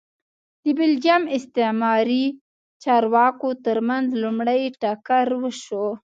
د بلجیم استعماري چارواکو ترمنځ لومړی ټکر وشو